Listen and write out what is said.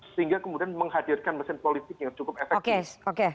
sehingga kemudian menghadirkan mesin politik yang cukup efektif